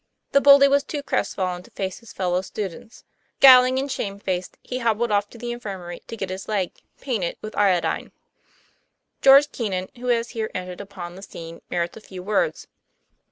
The bully was too crestfallen to face his fellow students. Scowling and shame faced, he hobbled off to the infirmary to get his leg " painted " with iodine. George Keenan, who has here entered upon the scene, merits a few words.